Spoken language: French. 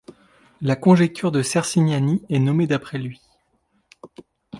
La conjecture de Cercignani est nommée d'après lui.